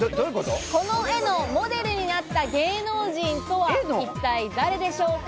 この絵のモデルになった芸能人とは一体誰でしょうか。